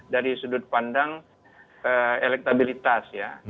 dari sudut pandang elektabilitas ya